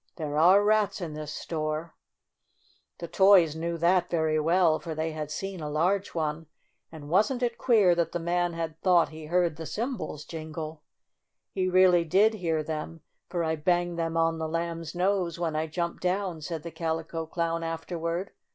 There are rats in this store." IN AN AUTOMOBILE 39 The toys knew that very well, for they had seen a large one. And wasn't it queer that the man had thought he heard the cymbals jingle? "He really did hear them, for I banged them on the Lamb's nose when I jumped down," said the Calico Clown afterward.